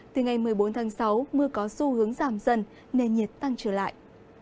từ ngày một mươi bốn tháng sáu mưa có xu hướng giảm dần nền nhiệt tăng trở lại